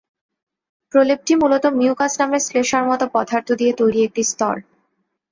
প্রলেপটি মূলত মিউকাস নামের শ্লেষ্মার মতো পদার্থ দিয়ে তৈরি একটি স্তর।